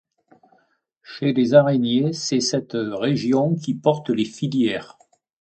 Chez les araignées, c'est cette région qui porte les filières.